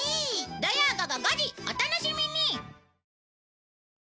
土曜午後５時お楽しみに！